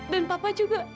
dan papa juga